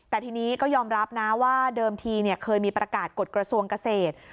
แต่ทีนี้ก็ยอมรับนะว่าเดิมทีเคยมีประกาศกฎกระทรวงเกษตร